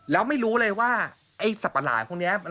แล้วไม่รู้เลยว่าไอ้สับปะหลังพวกนี้